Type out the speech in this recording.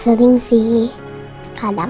sama berbesa sama rene